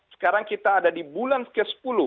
sekarang kita ada di bulan ke sepuluh